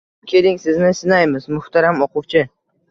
Keling, sizni sinaymiz, muhtaram o‘quvchi!